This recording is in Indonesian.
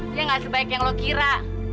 dia gak sebaik yang lo kira